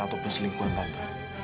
atau penselingkuhan tante